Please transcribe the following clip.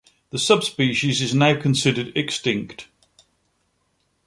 The subspecies is now considered extinct.